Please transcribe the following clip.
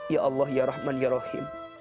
ya allah ya rahman ya rahim